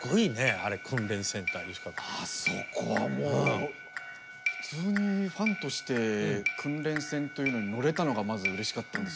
あそこはもう普通にファンとして訓練線というのに乗れたのがまずうれしかったんですよね。